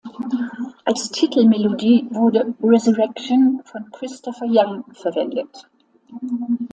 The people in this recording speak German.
Als Titelmelodie wurde "Resurrection" von Christopher Young verwendet.